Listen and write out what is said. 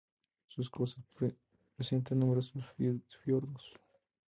Sus costas presentan numerosos fiordos.